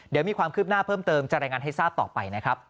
เดี๋ยวมีความคืบหน้าเพิ่มเติมจะรายงานให้ทราบต่อไปนะครับ